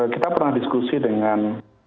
kita pernah diskusi dengan